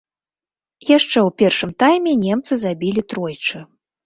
Яшчэ ў першым тайме немцы забілі тройчы.